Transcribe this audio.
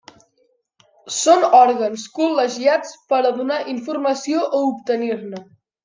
Són òrgans col·legiats per a donar informació o obtenir-ne.